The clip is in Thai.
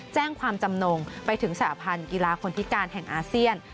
แจ้งความจำนงไปถึงสหพันธ์กีฬาคนพิการแห่งอาเซียน